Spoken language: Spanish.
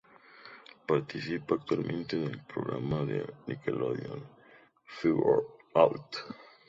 Participa actualmente en el programa de Nickelodeon "Figure It Out".